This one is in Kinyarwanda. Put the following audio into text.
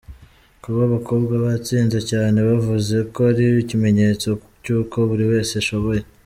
Kuba abakobwa batsinze cyane, yavuze ko ari ikimenyetso cy’uko buri wese ashoboye.